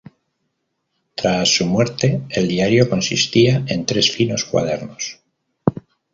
Tras su muerte el diario consistía en tres finos cuadernos.